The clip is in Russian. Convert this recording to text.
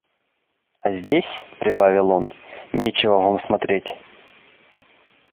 «А здесь, – прибавил он, – нечего вам смотреть».